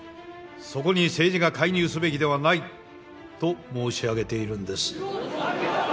そこに政治が介入すべきではないと申し上げているんです。